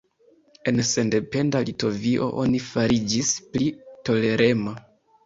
En sendependa Litovio oni fariĝis pli tolerema.